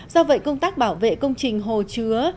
do vậy công tác bảo vệ công trình hồ chứa